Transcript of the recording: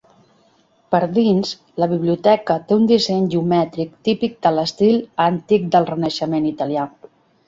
Per dins, la biblioteca té un disseny geomètric típic de l'estil antic del Renaixement italià.